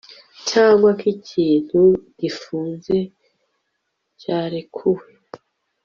Cyangwa nkikintu gifunze cyarekuwe